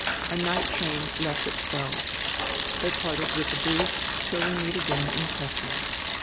A night train left at twelve. They parted widi a hrief "Till we meet again in Kessin."